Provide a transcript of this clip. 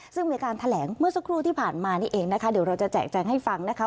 ซึ่งมีการแถลงเมื่อสักครู่ที่ผ่านมานี่เองนะคะเดี๋ยวเราจะแจกแจงให้ฟังนะคะ